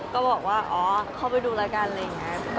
ก็บอกว่าอ๋อเข้าไปดูแล้วกันอะไรอย่างนี้